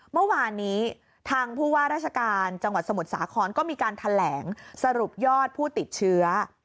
เมื่อวานนี้ทางผู้ว่าราชการจังหวัดสมุทรสาครก็มีการแถลงสรุปยอดผู้ติดเชื้อ